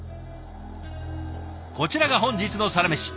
こちらが本日のサラメシ。